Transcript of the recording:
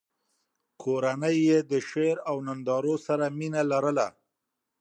کورنۍ یې د شعر او نندارو سره مینه لرله.